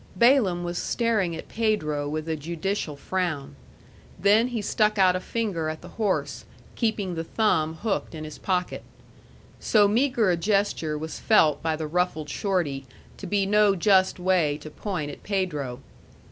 Balaam was staring at Pedro with a judicial frown. Then he stuck out a finger at the horse, keeping the thumb hooked in his pocket. So meagre a gesture was felt by the ruffled Shorty to be no just way to point at Pedro.